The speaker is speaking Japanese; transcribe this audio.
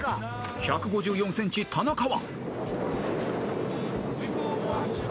［１５４ｃｍ田中は］